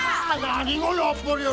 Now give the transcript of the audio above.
何がやっぱりや。